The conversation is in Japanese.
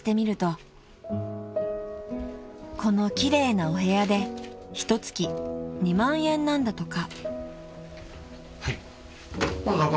［この奇麗なお部屋でひと月２万円なんだとか］